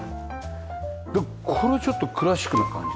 これはちょっとクラシックな感じね。